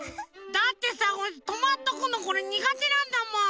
だってさとまっとくのこれにがてなんだもん！